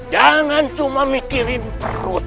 jangan cuma mikirin perut